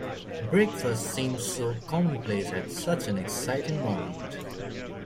Breakfast seems so commonplace at such an exciting moment.